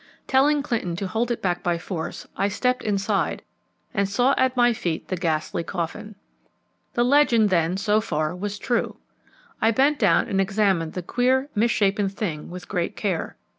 Telling Clinton to hold it back by force, I stepped inside and saw at my feet the ghastly coffin. The legend then so far was true. I bent down and examined the queer, misshapen thing with great care.